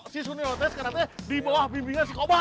si suneo teh sekarang teh di bawah pimpinan sikopar